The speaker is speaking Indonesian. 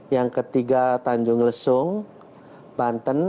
yang ketiga tanjung lesung banten